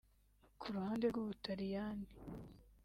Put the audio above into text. Ku ruhande rw’Ubutaliyani